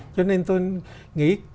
cho nên tôi nghĩ